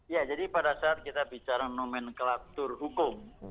ya jadi pada saat kita bicara nomenklatur hukum